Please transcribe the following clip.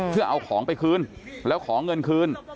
เพื่อเอาของไปคืนแล้วขอเงินคืน